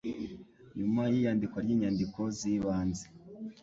yuma y'iyandikwa ry'Inyandiko z'Ibanze.